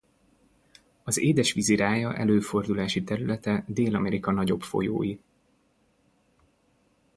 Az édesvízi rája előfordulási területe Dél-Amerika nagyobb folyói.